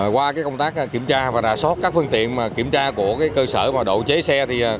qua công tác kiểm tra và đà sót các phương tiện kiểm tra của cơ sở đồ chế xe